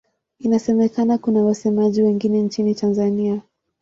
Inasemekana kuna wasemaji wengine nchini Tanzania.